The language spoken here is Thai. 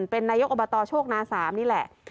เป็นนายกอบตโชคนา๓นี่แหละ